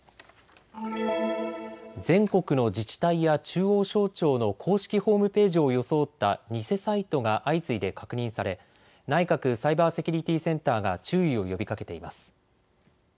全国の自治体や中央省庁の公式ホームページを装った偽サイトが相次いで確認され内閣サイバーセキュリティセンターが注意を呼びかけています。